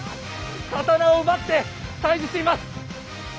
刀を奪って対峙しています！